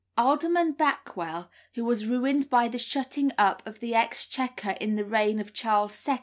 Alderman Backwell, who was ruined by the shutting up of the Exchequer in the reign of Charles II.